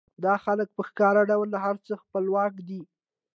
دا خلک په ښکاره ډول له هر څه خپلواک دي